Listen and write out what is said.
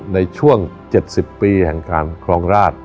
ในช่วง๗๐ปีแห่งการครองราช